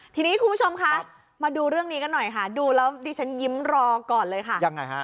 ทีนี้คุณผู้ชมคะมาดูเรื่องนี้กันหน่อยค่ะดูแล้วดิฉันยิ้มรอก่อนเลยค่ะยังไงฮะ